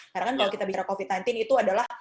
karena kalau kita bicara covid sembilan belas itu adalah